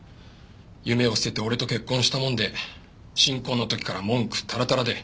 夢を捨てて俺と結婚したもんで新婚の時から文句タラタラで。